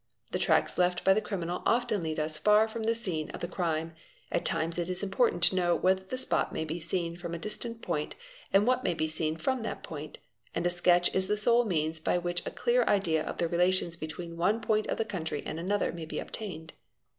The tracks left by: the criminal often lead us far from the scene of the crime; at times it is important to know whether the spot may be seen from a distant point, and what may be seen from that point, and a sketch _ is the sole means by which a clear idea of the relations between one point of the country and another may be obtained.